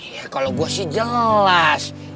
ya kalau gue sih jelas